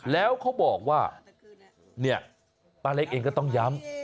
แล้วเขาบอกว่าเนี่ยป้าเล็กเองก็ต้องย้ำ